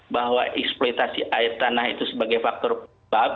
bahwa eksploitasi air tanah itu sebagai faktor penyebab